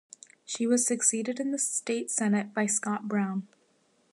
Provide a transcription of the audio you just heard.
She was succeeded in the state Senate by Scott Brown.